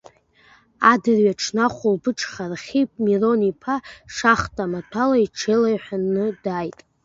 Адырҩаҽны, ахәылбыҽха Архип Мирон-иԥа шахта маҭәала иҽеилаҳәаны дааит.